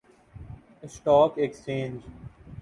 stock ایکسچینجتی